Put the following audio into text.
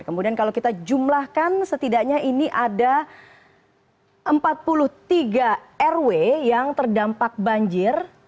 kemudian kalau kita jumlahkan setidaknya ini ada empat puluh tiga rw yang terdampak banjir